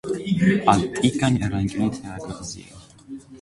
Ատտիկան եռանկյունի թերակղզի է։